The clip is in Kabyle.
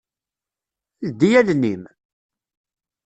Ldi allen-im!